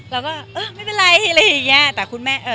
เราก็เออไม่เป็นไรอะไรอย่างนี้